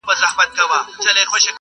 امیر نه سوای اورېدلای تش عرضونه!!